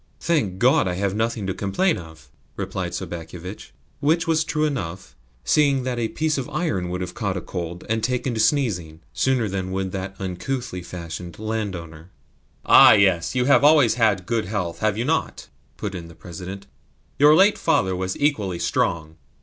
"Thank God, I have nothing to complain of," replied Sobakevitch: which was true enough, seeing that a piece of iron would have caught cold and taken to sneezing sooner than would that uncouthly fashioned landowner. "Ah, yes; you have always had good health, have you not?" put in the President. "Your late father was equally strong."